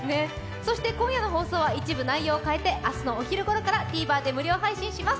そして今夜の放送は一部内容を変えて、明日のお昼ごろからＴｖｅｒで無料配信します。